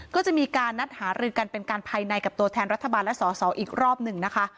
ก็จะมีการนัดหารือกันเป็นการภายในกับตัวแทนรัฐบาลและสอสออีกรอบหนึ่งนะคะ